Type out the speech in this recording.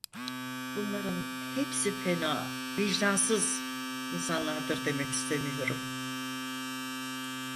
Bunların hepsi fena, vicdansız insanlardır demek istemiyorum.